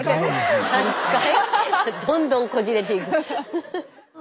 どんどんこじれていく。